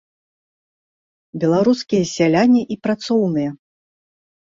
Беларускія сяляне і працоўныя!